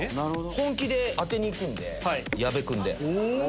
本気で当てにいくんで矢部君で。